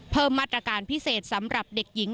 เพิ่มมาตรการพิเศษสำหรับเด็กหญิง